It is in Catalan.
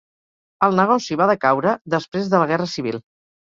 El negoci va decaure després de la Guerra Civil.